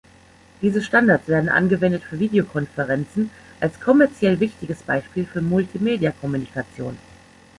Diese Standards werden angewendet für Videokonferenzen als kommerziell wichtiges Beispiel für Multimedia-Kommunikation.